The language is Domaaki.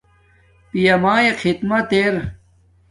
پیا مایے خدمت ارا